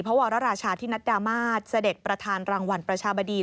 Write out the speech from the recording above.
วรราชาธินัดดามาศเสด็จประธานรางวัลประชาบดี